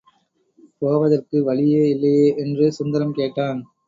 போவதற்கு வழியே இல்லையே! என்று சுந்தரம் கேட்டான்.